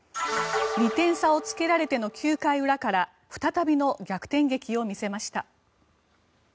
２点差をつけられての９回裏から再びの逆転劇を見せました。